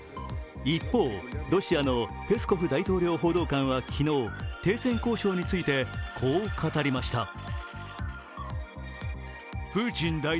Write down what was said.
一方、ロシアのペスコフ大統領報道官は昨日停戦交渉についてこう語りました。